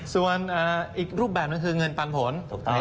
ส่วนอีกรูปแบบนั้นคือเงินปันผล